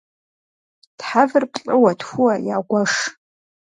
Тхьэвыр плӏыуэ-тхууэ ягуэш.